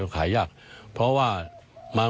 ก็ขายยากเพราะว่า